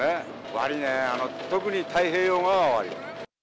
悪いね、特に太平洋側は悪い。